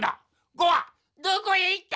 ５はどこへ行った！